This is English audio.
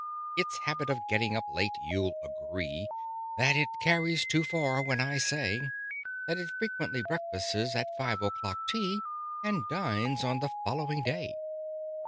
"Its habit of getting up late you'll agree That it carries too far, when I say That it frequently breakfasts at five o'clock tea, And dines on the following day.